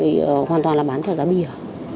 vì hoàn toàn là bán theo giá mỉa